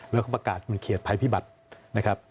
แล้วก็ประกาศมีเขตภัยพิบัตินะครับ